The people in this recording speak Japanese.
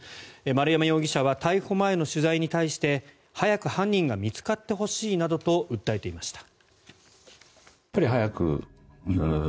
丸山容疑者は逮捕前の取材に対して早く犯人が見つかってほしいなどと訴えていました。